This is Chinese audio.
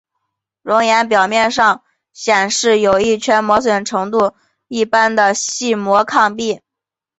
熔岩表面之上显示有一圈磨损度一般的细薄坑壁。